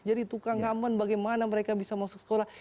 jadi tukang kaman bagaimana mereka bisa masuk sekolah